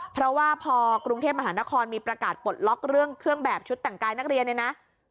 เพราะว่าพอกรุงเทพมหานครมีประกาศปลดล็อกเรื่องเครื่องแบบชุดแต่งกายนักเรียนเนี่ยนะ